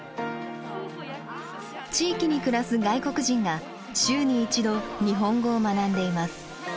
地域に暮らす外国人が週に一度日本語を学んでいます。